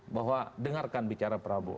bahwa dengarkan bicara prabowo